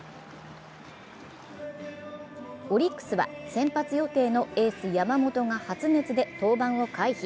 オリックスは先発予定のエース山本が発熱で登板を回避。